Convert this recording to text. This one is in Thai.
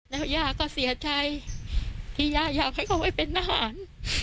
แล้วย่าก็เสียใจที่ย่าอยากให้เขาไปเป็นทหาร